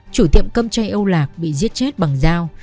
chủ tiệm cầm chay âu lạc bị giết chết bằng dao